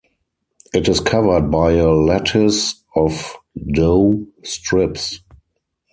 It is covered by a lattice of dough strips.